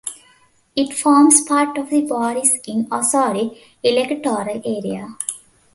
It forms part of the Borris-in-Ossory electoral area.